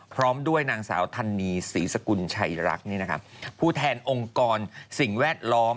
พร้อมด้วยนางสาวธันนีศรีสกุลชัยรักผู้แทนองค์กรสิ่งแวดล้อม